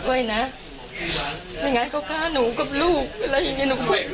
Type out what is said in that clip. ช่วยให้ช่วยอะไร